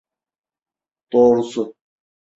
Doğrusu…